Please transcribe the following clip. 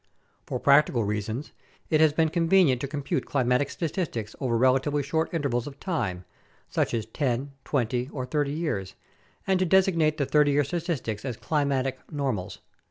For practical reasons, it has been convenient to compute climatic statistics over relatively short intervals of time, such as 10, 20, or 30 years, and to designate the 30 year statistics as climatic "normals."